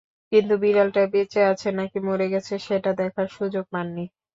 কিন্তু বিড়ালটা বেঁচে আছে নাকি মরে গেছে, সেটা দেখার সুযোগ পাননি।